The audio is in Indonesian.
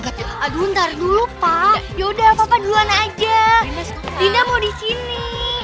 kalau lu mau berdiri disini